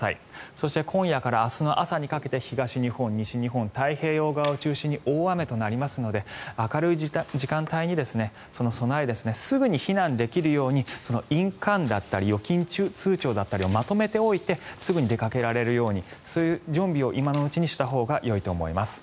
そして、今夜から明日の朝にかけて東日本、西日本の太平洋側を中心に大雨となりますので明るい時間帯に、その備えすぐに避難できるように印鑑、預金通帳だったりをまとめておいてすぐに出かけられるようにそういう準備を今のうちにしたほうがいいと思います。